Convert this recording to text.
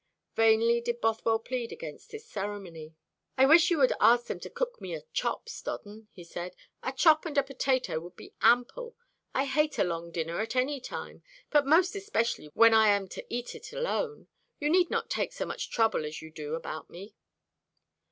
Vainly did Bothwell plead against this ceremony. "I wish you would ask them to cook me a chop, Stodden," he said. "A chop and a potato would be ample. I hate a long dinner at any time, but most especially when I am to eat it alone. You need not take so much trouble as you do about me."